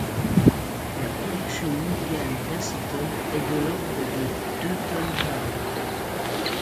La production mondiale d'acétone est de l'ordre de de tonnes par an.